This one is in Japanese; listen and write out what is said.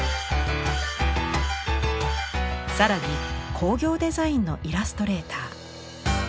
更に工業デザインのイラストレーター。